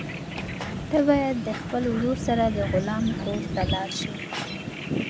ته باید د خپل ورور سره د غلام کور ته لاړ شې.